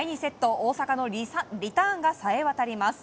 大坂のリターンがさえ渡ります。